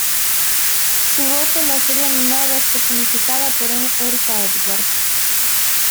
Su voz en la serie animada es personificada por Erica Edwards.